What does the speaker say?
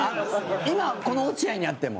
今、この落合に会っても。